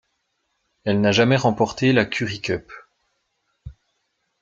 Elle n'a jamais remporté la Currie Cup.